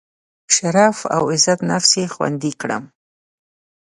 شرف او عزت نفس یې خوندي کړم.